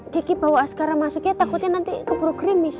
diki bawa askara masuk ya takutnya nanti keburu krimis